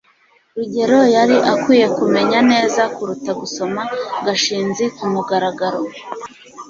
rugeyo yari akwiye kumenya neza kuruta gusoma gashinzi kumugaragaro